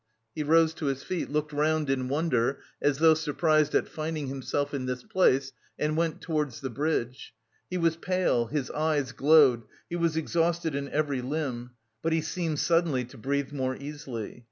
He rose to his feet, looked round in wonder as though surprised at finding himself in this place, and went towards the bridge. He was pale, his eyes glowed, he was exhausted in every limb, but he seemed suddenly to breathe more easily.